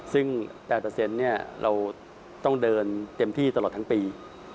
ซึ่ง๘เราต้องเดินเต็มที่ตลอดทั้งปี